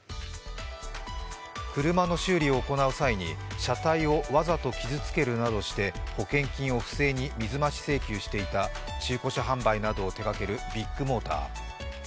車の修理を行う際に車体をわざと傷つけるなどして保険金を不正に水増し請求していた中古車販売などを手がけるビッグモーター。